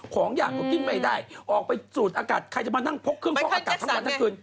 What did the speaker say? อย่างก็กินไม่ได้ออกไปสูดอากาศใครจะมานั่งพกเครื่องฟอกอากาศทั้งวันทั้งคืน